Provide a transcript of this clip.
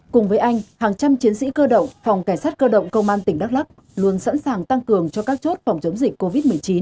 cùng với anh hàng trăm chiến sĩ cơ động phòng cảnh sát cơ động công an tỉnh đắk lắk luôn sẵn sàng tăng cường cho các chốt phòng chống dịch covid một mươi chín